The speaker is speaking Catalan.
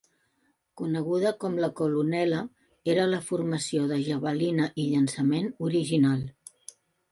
Coneguda com la "colunela", era la formació de javalina i llançament original